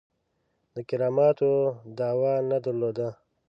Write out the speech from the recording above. د کراماتو دعوه نه درلوده.